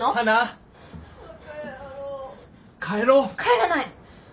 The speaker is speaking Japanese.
帰らない。